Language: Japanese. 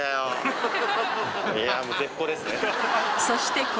そして